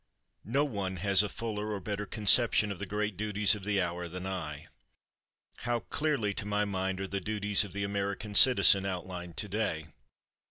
No one has a fuller or better conception of the great duties of the hour than I. How clearly to my mind are the duties of the American citizen outlined to day!